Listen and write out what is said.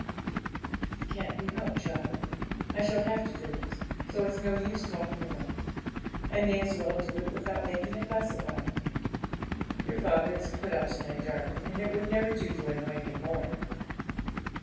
'It can't be helped, child; I shall have to do it, so it's no use talking about it; I may as well do it without making a fuss about it; your father is put out to night, darling, and it would never do to annoy him more.'